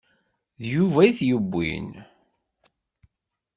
D Yuba i t-yewwin.